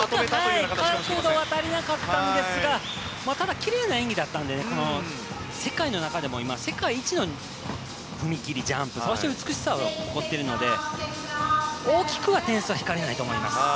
回転が足りなかったのでただきれいな演技だったんで世界の中でも世界一の踏み切りジャンプそして美しさを持っているので大きくは点数は引かれないと思います。